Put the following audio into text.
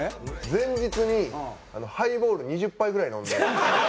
前日にハイボール２０杯ぐらい飲んで。